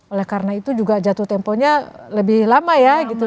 oleh karena itu juga jatuh temponya lebih lama ya gitu